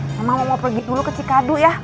mama mau pergi dulu ke cikadu ya